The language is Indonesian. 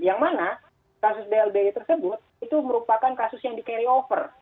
yang mana kasus blbi tersebut itu merupakan kasus yang di carry over